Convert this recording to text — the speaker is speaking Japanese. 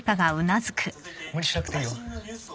無理しなくていいよ。